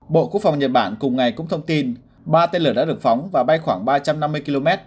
bộ quốc phòng nhật bản cùng ngày cũng thông tin ba tên lửa đã được phóng và bay khoảng ba trăm năm mươi km